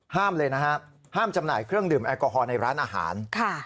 เลยนะฮะห้ามจำหน่ายเครื่องดื่มแอลกอฮอลในร้านอาหาร